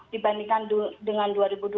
dibandingkan dengan dua ribu dua puluh